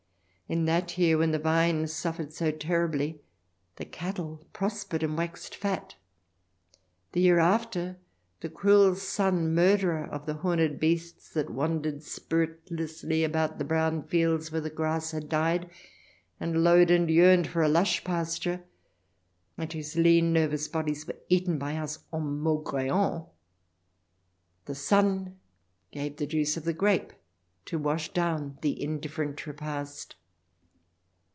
In that year, when the vine suffered so terribly the cattle prospered and waxed fat. The year after the cruel sun, murderer of the horned beasts that wandered spiritlessly about the brown fields where the grass had died, and lowed and yearned for a lush pasture, and whose lean, nervous bodies were eaten by us en maugreant — the sun gave the juice of the grape to wash down the indifferent repast.